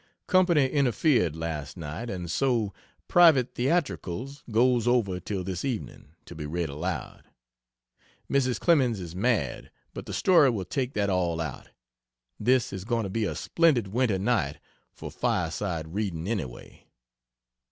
Company interfered last night, and so "Private Theatricals" goes over till this evening, to be read aloud. Mrs. Clemens is mad, but the story will take that all out. This is going to be a splendid winter night for fireside reading, anyway.